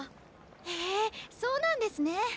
へえそうなんですね。